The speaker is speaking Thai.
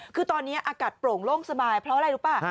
คือตอนนี้อากาศโปร่งโล่งสบายเพราะอะไรรู้ป่ะ